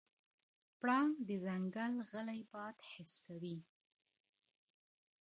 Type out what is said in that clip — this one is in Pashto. پړانګ د ځنګل غلی باد حس کوي.